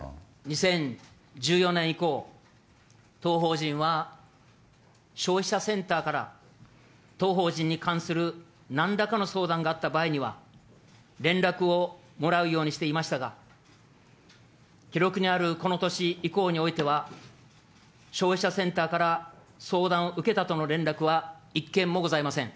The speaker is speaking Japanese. ２０１４年以降、当法人は消費者センターから当法人に関する何らかの相談があった場合には、連絡をもらうようにしていましたが、記録にあるこの年以降においては、消費者センターから相談を受けたとの連絡は１件もございません。